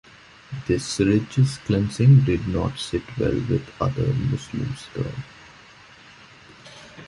This religious cleansing did not sit well with other Muslims though.